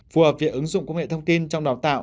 phù hợp với ứng dụng công nghệ thông tin trong đào tạo